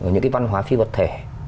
những cái văn hóa phi vật thể